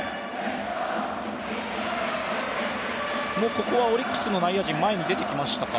ここはオリックスの内野陣、前に出てきましたか？